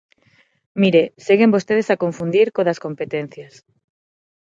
Mire, seguen vostedes a confundir co das competencias.